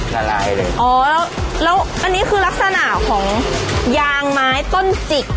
ละลายเลยอ๋อแล้วอันนี้คือลักษณะของยางไม้ต้นจิก